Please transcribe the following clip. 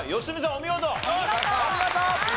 お見事！